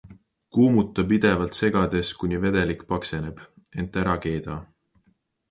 Kuumuta pidevalt segades, kuni vedelik pakseneb, ent ära keeda.